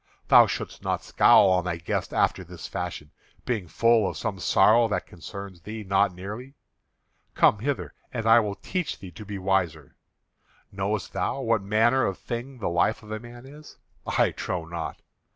Thou shouldst not scowl on thy guest after this fashion, being full of some sorrow that concerns thee not nearly. Come hither, and I will teach thee to be wiser. Knowest thou what manner of thing the life of a man is? I trow not.